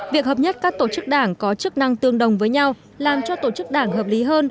việc hợp nhất các tổ chức đảng có chức năng tương đồng với nhau làm cho tổ chức đảng hợp lý hơn